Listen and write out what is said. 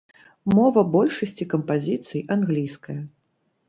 Мова большасці кампазіцый англійская.